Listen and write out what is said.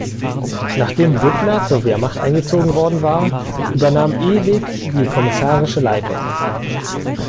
Nachdem Büttner zur Wehrmacht eingezogen worden war, übernahm Ewig die kommissarische Leitung.